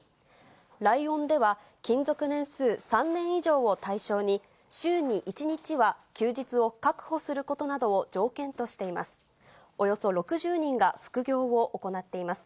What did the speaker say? ライオンでは、勤続年数３年以上を対象に、週に１日は休日を確保することなどを条件としています。